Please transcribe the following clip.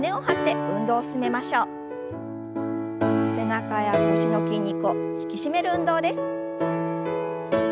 背中や腰の筋肉を引き締める運動です。